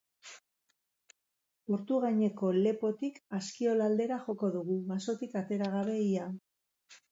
Portugaineko lepotik Askiola aldera joko dugu, basotik atera gabe ia.